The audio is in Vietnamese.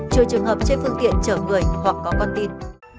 trừ trường hợp trên phương tiện chở người hoặc có con tin